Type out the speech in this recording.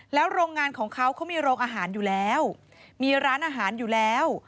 แล้วโรงงานของเขาเขามีโรงอาหารอยู่แล้วมีร้านอาหารอยู่แล้ว